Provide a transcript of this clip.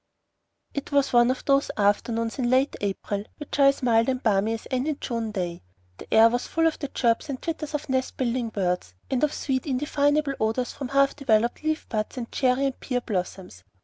It was one of those afternoons in late April which are as mild and balmy as any June day. The air was full of the chirps and twitters of nest building birds, and of sweet indefinable odors from half developed leaf buds and cherry and pear blossoms.